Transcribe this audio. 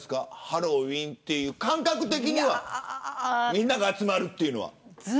ハロウィーンという感覚的にはみんなが集まるというのは。